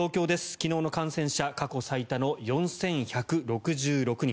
昨日の感染者過去最多の４１６６人。